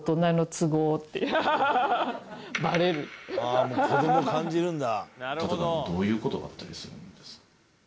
「あもう子ども感じるんだ」